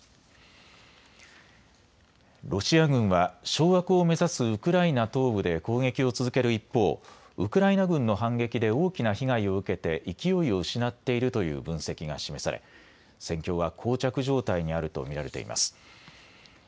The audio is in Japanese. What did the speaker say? ロシア軍は掌握を目指すウクライナ東部で攻撃を続ける一方、ウクライナ軍の反撃で大きな被害を受けて勢いを失っているという分析が示され戦況はこう着状態にあると見られています。